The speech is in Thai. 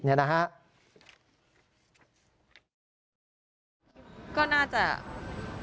พูดแบบนี้ก็คือสิ่งที่เป็นวันที่นายจะจัดการ